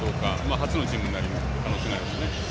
初のチームになるかもしれないですね。